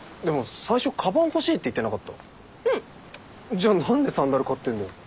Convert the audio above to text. じゃあ何でサンダル買ってんだよ。